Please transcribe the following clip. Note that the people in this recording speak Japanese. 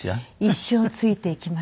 一生ついていきます。